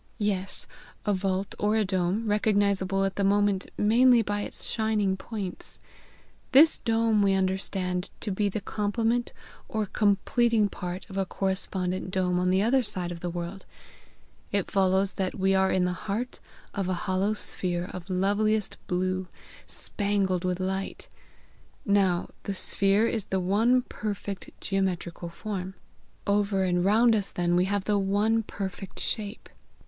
"Yes; a vault or a dome, recognizable at the moment mainly by its shining points. This dome we understand to be the complement or completing part of a correspondent dome on the other side of the world. It follows that we are in the heart of a hollow sphere of loveliest blue, spangled with light. Now the sphere is the one perfect geometrical form. Over and round us then we have the one perfect shape.